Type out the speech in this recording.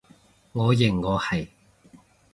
我認我係